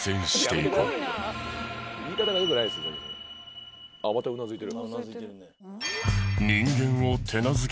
あっまたうなずいてる。